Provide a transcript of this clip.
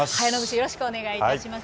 よろしくお願いします。